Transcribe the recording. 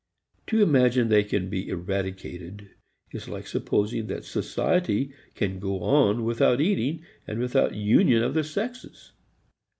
To imagine they can be eradicated is like supposing that society can go on without eating and without union of the sexes.